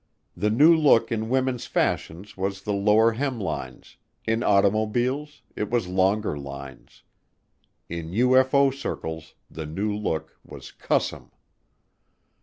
The new look in women's fashions was the lower hemlines, in automobiles it was longer lines. In UFO circles the new look was cuss 'em.